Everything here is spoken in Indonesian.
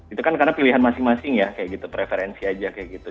itu kan karena pilihan masing masing ya kayak gitu preferensi aja kayak gitu